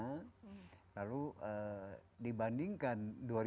nah lalu dibandingkan dua ribu sembilan belas